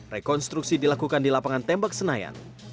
rekonstruksi dilakukan di lapangan tembak senayan